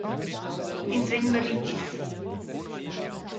Ins vegn malidis.